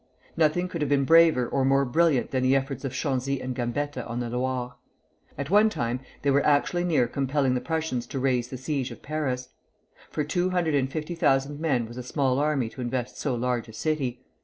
Nothing could have been braver or more brilliant than the efforts of Chanzy and Gambetta on the Loire. At one time they were actually near compelling the Prussians to raise the siege of Paris; for two hundred and fifty thousand men was a small army to invest so large a city.